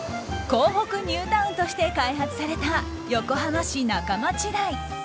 港北ニュータウンとして開発された横浜市仲町台。